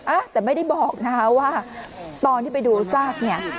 อ่ะแต่ไม่ได้บอกนะคะว่าตอนที่ไปดูซากเนี่ย